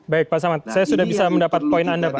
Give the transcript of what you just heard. baik pak samad saya sudah bisa mendapat poin anda pak